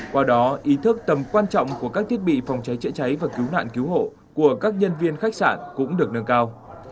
qua đó ý thức tầm quan trọng của các thiết bị phòng cháy chữa cháy và cứu nạn cứu hộ của các nhân viên khách sạn cũng được nâng cao